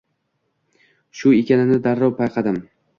Shu ekanini darrov payqadim.